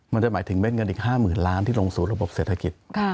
มันจะหมายถึงเด็ดเงินอีก๕๐๐๐ล้านที่ลงสู่ระบบเศรษฐกิจ